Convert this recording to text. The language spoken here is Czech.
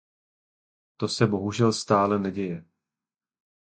To se bohužel stále neděje.